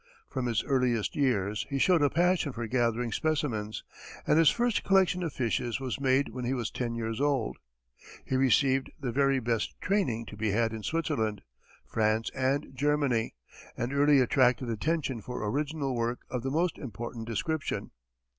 From his earliest years, he showed a passion for gathering specimens, and his first collection of fishes was made when he was ten years old. He received the very best training to be had in Switzerland, France and Germany, and early attracted attention for original work of the most important description.